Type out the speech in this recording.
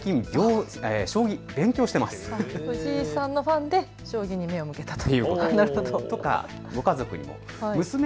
藤井さんのファンで将棋に目を向けたということですね。